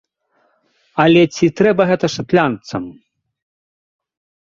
Але ці трэба гэта шатландцам?